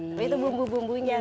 tapi itu bumbu bumbunya